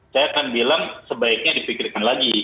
saya akan bilang sebaiknya dipikirkan lagi